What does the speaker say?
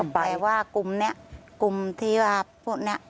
ไปว่ากลุ่มนี้กลุ่มที่ว่าพวกนี้